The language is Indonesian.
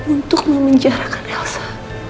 untuk memenjarakan elsa